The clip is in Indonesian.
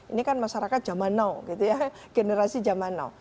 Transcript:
ini kan masyarakat zaman now gitu ya generasi zaman now